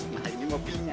nah ini mobilnya